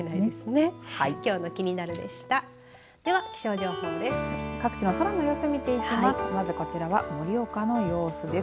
では気象情報です。